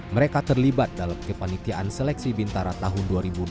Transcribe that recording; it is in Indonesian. mereka terlibat dalam kepanitiaan seleksi bintara tahun dua ribu dua puluh